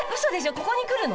ここにくるの？